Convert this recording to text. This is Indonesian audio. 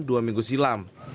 dua minggu silam